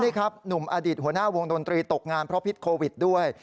นี่ครับหนุ่มอดีตหัวหน้าวงดนตรีตกงานเพราะพิษโควิดด้วย